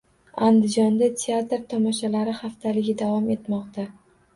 Andijonda Teatr tomoshalari haftaligi davom etmoqda